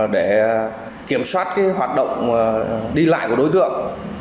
để kiểm soát hoạt động đi lại của đối tượng